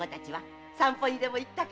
散歩にでも行ったか？